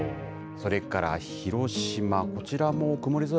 それから広島、こちらも曇り空。